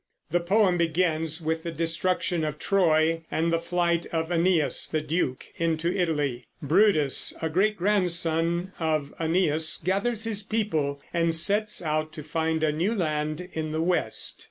The poem begins with the destruction of Troy and the flight of "Æneas the duke" into Italy. Brutus, a great grandson of Æneas, gathers his people and sets out to find a new land in the West.